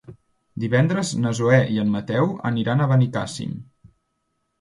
Divendres na Zoè i en Mateu aniran a Benicàssim.